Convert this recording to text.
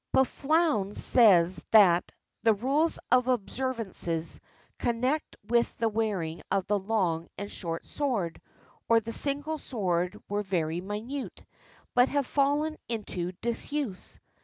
Pfoundes says that "the rules of observances con nected with the wearing of the long and short sword or the single sword were very minute, but have fallen into disuse.